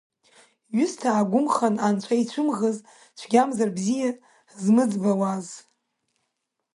Ҩысҭаа гәымхан, анцәа ицәымӷыз, цәгьамзар бзиа змыӡбауаз.